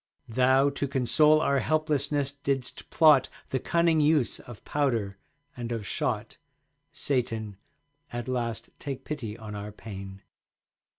Thou, to console our helplessness, didst plot The cunning use of powder and of shot. Satan, at last take pity on our pain.